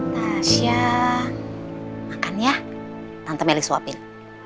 tasya makan ya tante merry suapin